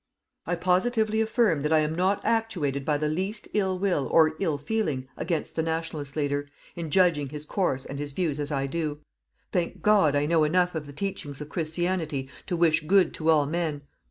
I positively affirm that I am not actuated by the least ill will or ill feeling against the Nationalist leader, in judging his course and his views as I do. Thank God, I know enough of the teachings of Christianity to wish good to all men.